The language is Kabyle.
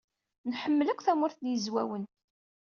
Nḥemmel akk Tamurt n Yizwawen.